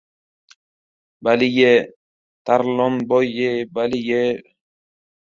Bali-ye, Tarlonboy-yey, bali-ye!